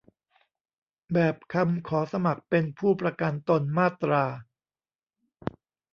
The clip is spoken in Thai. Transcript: แบบคำขอสมัครเป็นผู้ประกันตนมาตรา